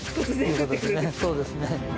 そうですね。